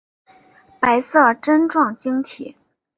白色针状晶体。